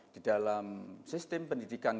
di dalam sistem pendidikan